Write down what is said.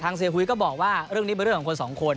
เสียหุยก็บอกว่าเรื่องนี้เป็นเรื่องของคนสองคน